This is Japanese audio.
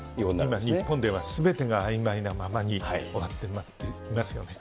だから日本ではすべてがあいまいなままに終わってしまっていますよね。